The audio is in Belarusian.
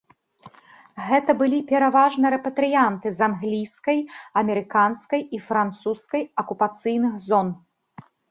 Гэта былі пераважна рэпатрыянты з англійскай, амерыканскай і французскай акупацыйных зон.